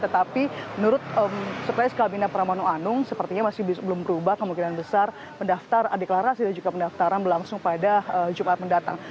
tetapi menurut sukses kabinet pramono anung sepertinya masih belum berubah kemungkinan besar mendaftar deklarasi dan juga pendaftaran berlangsung pada jumat mendatang